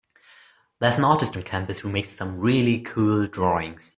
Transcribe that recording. There’s an artist on campus who makes some really cool drawings.